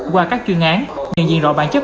qua các chuyên án nhận diện rõ bản chất